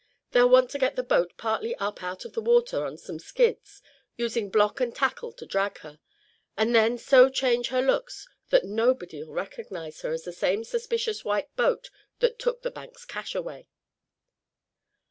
They'll want to get the boat partly up out of the water on some skids, using block and tackle to drag her; and then so change her looks that nobody'll recognize her as the same suspicious white boat that took the bank's cash away."